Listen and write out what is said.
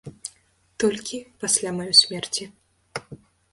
Толькі пасля маёй смерці.